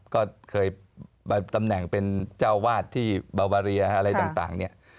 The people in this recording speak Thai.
ก็เคยตำแหน่งเป็นเจ้าวาดที่บาวาเรียอะไรต่างเนี่ย